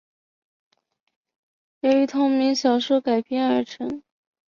由同名小说改编而成。